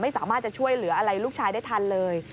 ไม่สามารถจะช่วยเหลืออะไรลูกชายได้ทันเลย